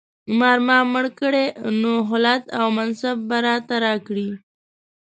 مار ما مړ کړی نو خلعت او منصب به راته راکړي.